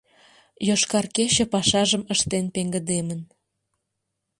«Йошкар кече» пашажым ыштен пеҥгыдемын.